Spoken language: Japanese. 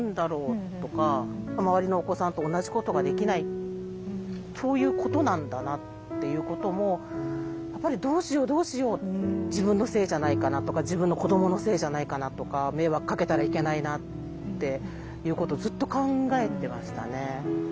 周りのお子さんと同じことができないそういうことなんだなっていうこともやっぱりどうしようどうしよう自分のせいじゃないかなとか自分の子どものせいじゃないかなとか迷惑かけたらいけないなっていうことをずっと考えてましたね。